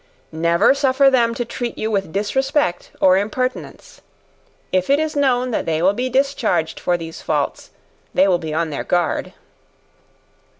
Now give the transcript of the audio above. Never suffer them to treat you with disrespect or impertinence. If it is known that they will be discharged for these faults, they will be on their guard.